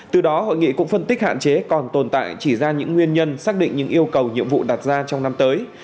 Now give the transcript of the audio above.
từ đó hội nghị cũng phân tích hạn chế còn tồn tại chỉ ra những nguyên nhân xác định những yêu cầu nhiệm vụ đặt ra trong năm tới